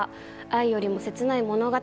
愛よりも切ない物語